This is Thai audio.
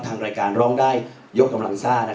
ทางรายการร้องได้ยกกำลังซ่า